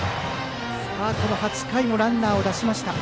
この８回もランナーを出しました。